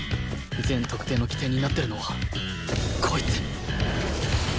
全得点の起点になってるのはこいつ！